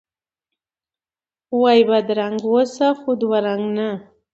وایی بدرنګه اوسه، خو دوه رنګه نه!